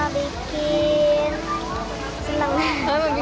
bikin seneng bener banget sih